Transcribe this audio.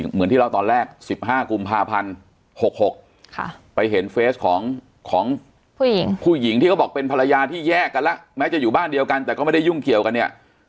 เหมือนที่เราตอนแรก๑๕กุมภาพันธ์๖๖ไปเห็นเฟสของผู้หญิงผู้หญิงที่เขาบอกเป็นภรรยาที่แยกกันแล้วแม้จะอยู่บ้านเดียวกันแต่ก็ไม่ได้ยุ่งเกี่ยวกันเนี่ย